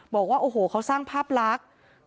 บอกว่าโอ้โหเขาสร้างภาพลักษณ์